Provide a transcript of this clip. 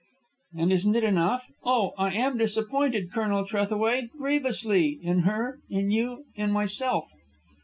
"And isn't it enough? Oh, I am disappointed, Colonel Trethaway, grievously, in her, in you, in myself."